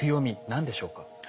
何でしょうか？